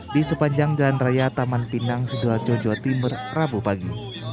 di sepanjang jalan raya taman pinang sidoarjo jawa timur rabu pagi